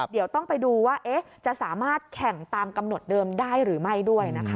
เดี๋ยวต้องไปดูว่าจะสามารถแข่งตามกำหนดเดิมได้หรือไม่ด้วยนะคะ